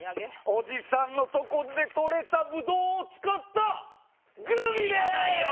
おじさんのとこで採れたぶどうを使ったグミでーす！